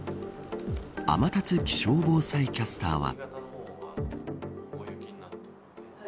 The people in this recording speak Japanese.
天達気象防災キャスターは。